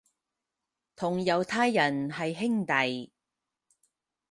同猶太人係兄弟